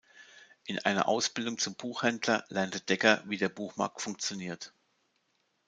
In einer Ausbildung zum Buchhändler lernte Decker, wie der Buchmarkt funktioniert.